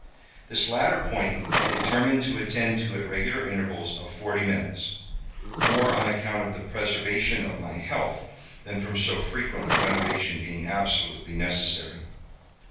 This latter point I determined to attend to at regular intervals of forty minutes, more on account of the preservation of my health, than from so frequent a renovation being absolutely necessary.